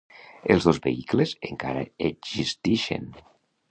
Els dos vehicles encara existixen.